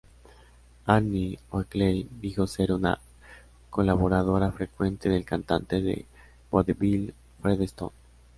Annie Oakley dijo ser una colaboradora frecuente del cantante de vodevil Fred Stone.